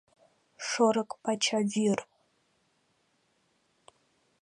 Шорык пача вӱр!